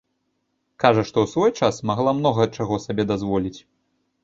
Кажа, што ў свой час магла многа чаго сабе дазволіць.